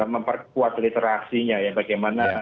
memperkuat literasinya ya bagaimana